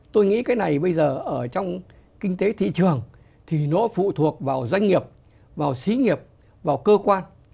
tôi nghĩ cái này bây giờ ở trong kinh tế thị trường thì nó phụ thuộc vào doanh nghiệp vào xí nghiệp vào cơ quan